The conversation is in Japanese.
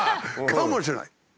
かもしれない。